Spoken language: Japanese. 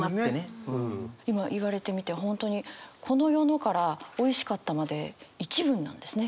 今言われてみて本当に「この世の」から「おいしかった」まで一文なんですね。